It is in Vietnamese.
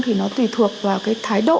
thì nó tùy thuộc vào cái thái độ